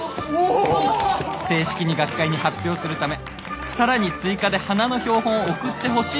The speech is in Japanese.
「正式に学会に発表するため更に追加で花の標本を送ってほしいとのことでした。